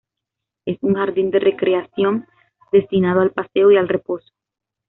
Es un jardín de recreación destinado al paseo y al reposo.